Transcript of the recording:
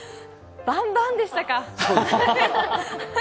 バンバンでしたか！